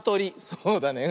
そうだね。